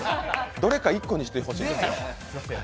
どれか１つにしてほしいんですよ。